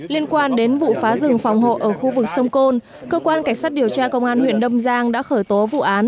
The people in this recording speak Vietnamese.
liên quan đến vụ phá rừng phòng hộ ở khu vực sông côn cơ quan cảnh sát điều tra công an huyện đâm giang đã khởi tố vụ án